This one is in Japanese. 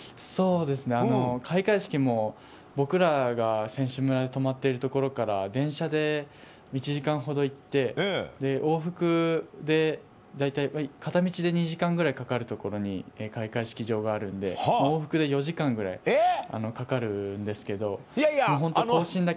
開会式も、僕らが選手村で泊まっているところから電車で１時間ほど行って往復で大体、片道で２時間くらいかかるところに開会式場があるので往復で４時間くらいかかるんですけど。